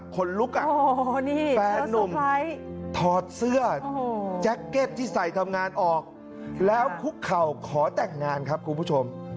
คนลุกอ่ะแฟนนุ่มถอดเสื้อแจ็คเก็ตที่ใส่ทำงานออกแล้วคุกเข่าขอแต่งงานครับคุณผู้ชม